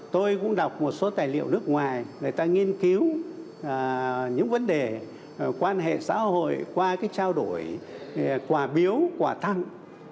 tôi cũng đọc một số tài liệu nước ngoài người ta nghiên cứu những vấn đề quan hệ xã hội qua cái trao đổi quà biếu quà tặng